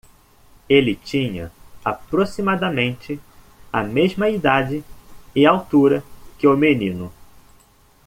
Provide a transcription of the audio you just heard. Ele tinha aproximadamente a mesma idade e altura que o menino.